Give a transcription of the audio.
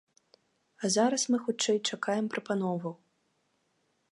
А зараз мы, хутчэй, чакаем прапановаў.